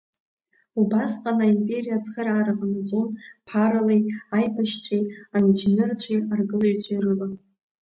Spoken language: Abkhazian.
Убасҟан аимпериа ацхыраара ҟанаҵон ԥаралеи, аибашьцәеи, анџьнырцәеи, аргылаҩцәеи рыла.